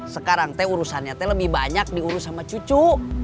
sekarang teh urusannya teh lebih banyak diurus sama cucu